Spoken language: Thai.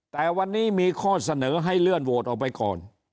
แต่วันนี้มีข้อเสนอให้เลื่อนโหวตออกไปก่อน